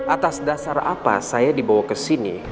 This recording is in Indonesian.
atas dasar apa saya dibawa ke sini